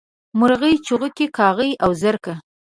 مرغۍ، چوغکي کاغۍ او زرکه